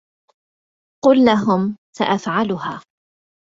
قل لهم سأفعلها